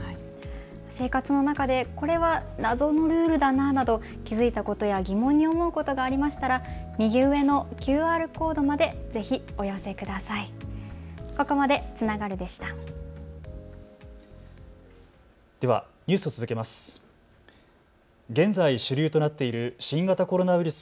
生活の中でこれは謎のルールだなと気付いたことや疑問に思うことがありましたら右上のＱＲコードまでぜひお寄せください。